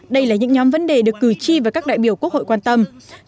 đây là những nhóm vấn đề được cử tri và các đại biểu quốc hội quan tâm